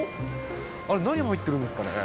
あれ、何入ってるんですかね。